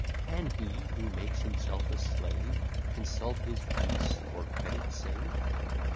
Can he, who makes himself a slave, Consult his peace, or credit save?